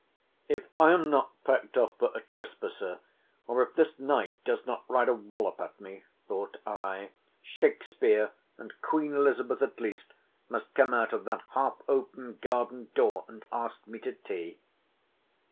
"If I am not packed off for a trespasser, or if this knight does not ride a wallop at me," thought I, "Shakespeare and Queen Elizabeth at least must come out of that half open garden door and ask me to tea."